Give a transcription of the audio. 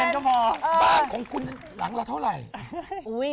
ข้าร้องคุณหลังเราเท่าไร